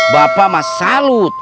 bapak mas salut